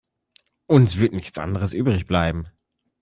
Uns wird nichts anderes übrig bleiben.